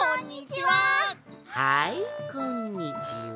はいこんにちは。